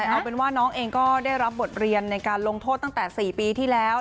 เอาเป็นว่าน้องเองก็ได้รับบทเรียนในการลงโทษตั้งแต่๔ปีที่แล้ว